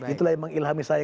itulah yang mengilhami saya